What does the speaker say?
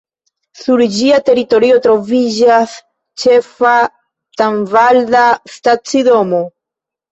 Sur ĝia teritorio troviĝas ĉefa tanvalda stacidomo.